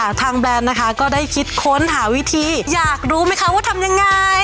ทางแบรนด์นะคะก็ได้คิดค้นหาวิธีอยากรู้ไหมคะว่าทำยังไง